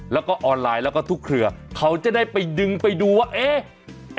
แล้วก็ออนไลน์แล้วก็ทุกเครือเขาจะได้ไปดึงไปดูว่าเอ๊ะ